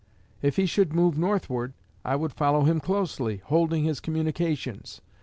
If he should move northward, I would follow him closely, holding his communications.